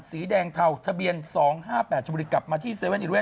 สีแดงเทาทะเบียน๒๕๘ชมบุรีกลับมาที่๗๑๑